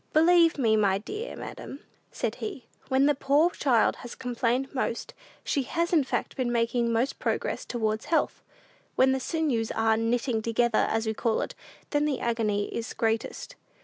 "Believe me, my dear madam," said he, "when the poor child has complained most, she has in fact been making most progress towards health. When the sinews are 'knitting together,' as we call it, then the agony is greatest."